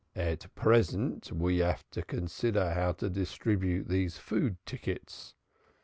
"At present, we have to consider how to distribute these food tickets.